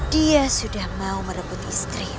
dia sudah mau merebut istri